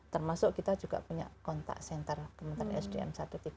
termasuk kita juga punya kontak senter kementerian sdm satu ratus tiga puluh